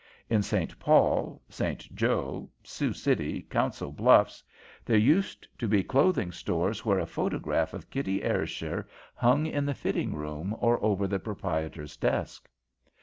In St. Paul, St. Jo, Sioux City, Council Bluffs, there used to be clothing stores where a photograph of Kitty Ayrshire hung in the fitting room or over the proprietor's desk.